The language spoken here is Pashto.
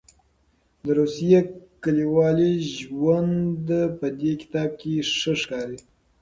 د روسیې کلیوال ژوند په دې کتاب کې ښه ښکاري.